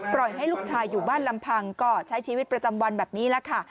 ให้ลูกชายอยู่บ้านลำพังก็ใช้ชีวิตประจำวันแบบนี้แหละค่ะ